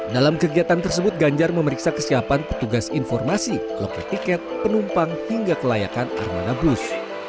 dalam kegiatan tersebut ganjar memeriksa kesiapan petugas informasi loket tiket penumpang hingga kelayakan armada bus